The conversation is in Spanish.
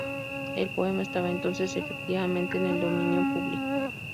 El poema estaba entonces, efectivamente en el dominio público.